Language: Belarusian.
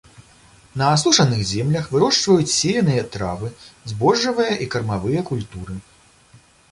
На асушаных землях вырошчваюць сеяныя травы, збожжавыя і кармавыя культуры.